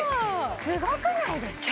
すごくないですか？